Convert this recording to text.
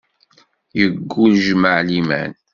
Yeggul, jmaɛ liman.